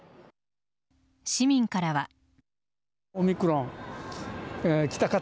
市民からは。